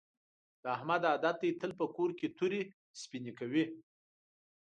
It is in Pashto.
د احمد عادت دې تل په کور کې تورې سپینې کوي.